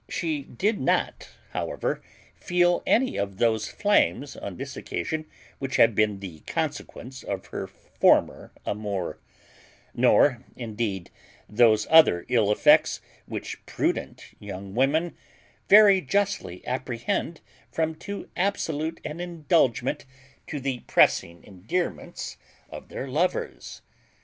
She did not, however, feel any of those flames on this occasion which had been the consequence of her former amour; nor, indeed, those other ill effects which prudent young women very justly apprehend from too absolute an indulgence to the pressing endearments of their lovers.